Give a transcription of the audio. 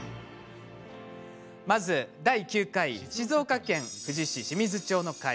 まずは、第９回静岡県富士市・清水町の回。